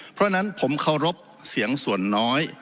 เพราะฉะนั้นผมเคารพเสียงส่วนน้อย